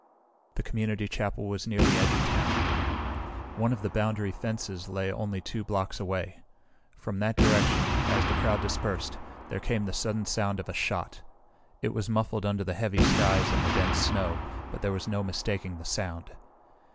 The community chapel was near the edge of town. One of the boundary fences lay only two blocks away. From that direction, as the crowd dispersed, there came the sudden sound of a shot. It was muffled under the heavy skies and the dense snow, but there was no mistaking the sound.